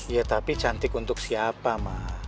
ya tapi cantik untuk siapa mah